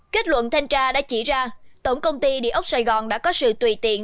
kết luận thanh tra đã chỉ ra tổng công ty địa ốc sài gòn đã có sự tùy tiện